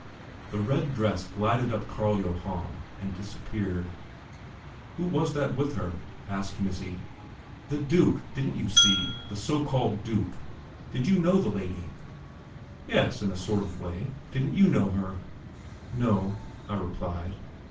The red dress glided up Carl Johann, and disappeared. "Who was it was with her?" asked "Missy." "The Duke, didn't you see? The so called 'Duke.' Did you know the lady?" "Yes, in a sort of way. Didn't you know her?" "No," I replied.